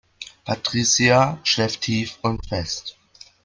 Patricia schläft tief und fest.